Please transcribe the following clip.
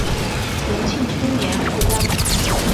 隆庆初年复官。